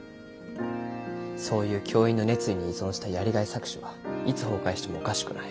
そういう教員の熱意に依存したやりがい搾取はいつ崩壊してもおかしくない。